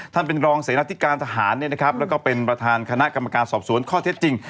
ท่านเป็นรองเสนาธิการทหารแล้วก็เป็นประธานคณะกรรมการสอบสวนข้อเท็จจริง